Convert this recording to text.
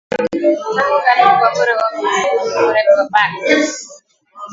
tame kulungu kwa bure Walk ins ni bure kwa Parks